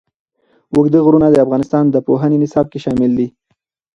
اوږده غرونه د افغانستان د پوهنې نصاب کې شامل دي.